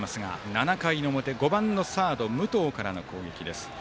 ７回の表、５番のサード武藤からの攻撃。